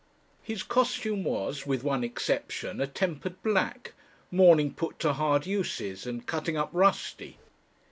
His costume was with one exception a tempered black, mourning put to hard uses and "cutting up rusty."